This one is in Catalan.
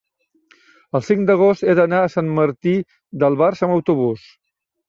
el cinc d'agost he d'anar a Sant Martí d'Albars amb autobús.